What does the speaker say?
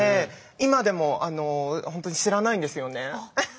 今でもホントに知らないんですよね。